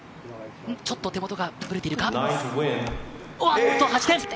ちょっと手元がブレているか？